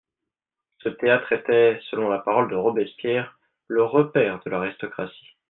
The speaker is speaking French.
Ce théâtre était, selon la parole de Robespierre, «le repaire de l'aristocratie».